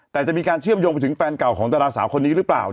แต่จะมีการเชื่อมโยงไปถึงแฟนเก่าของดาราสาวคนนี้หรือเปล่า